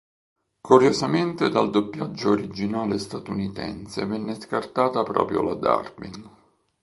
Curiosamente dal doppiaggio originale statunitense venne scartata proprio la Durbin.